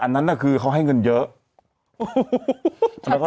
อันนั้นคือเขาให้เงินเยอะ